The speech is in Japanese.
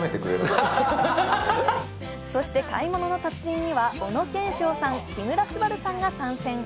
そして「買い物の達人」には小野賢章さん、木村昴さんが参戦。